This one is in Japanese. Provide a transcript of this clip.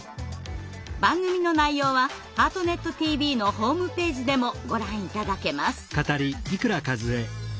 番組の内容は「ハートネットＴＶ」のホームページでもご覧頂けます。